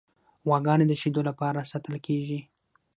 غواګانې د شیدو لپاره ساتل کیږي.